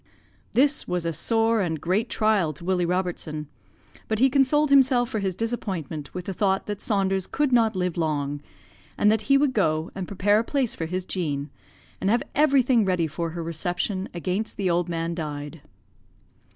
"This was a sore and great trial to Willie Robertson, but he consoled himself for his disappointment with the thought that Saunders could not live long, and that he would go and prepare a place for his Jean, and have everything ready for her reception against the old man died.